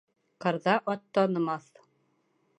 Ҡырҙа ат танымаҫ